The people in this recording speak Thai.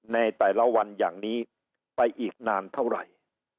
ในแต่ละวันอย่างนี้ไปอีกนานเท่าไหร่